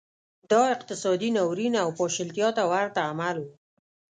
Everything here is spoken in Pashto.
دا اقتصادي ناورین او پاشلتیا ته ورته عمل و